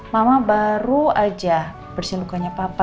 mama baru aja bersih lukanya papa